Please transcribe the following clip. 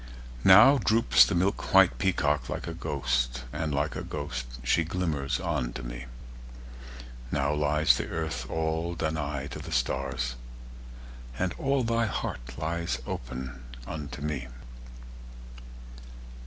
Now droops the milkwhite peacock like a ghost, And like a ghost she glimmers on to me. Now lies the Earth all Danaë to the stars, And all thy heart lies open unto me.